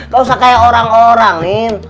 kausah kaya orang orang nih